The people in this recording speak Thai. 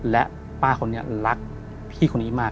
และป้าคนนี้รักพี่คนนี้มาก